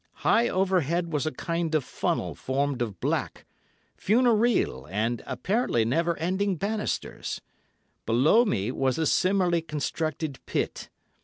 High over head was a kind of funnel formed of black, funereal, and apparently never ending banisters; below me was a similarly constructed pit.